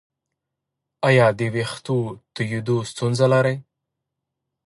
ایا د ویښتو تویدو ستونزه لرئ؟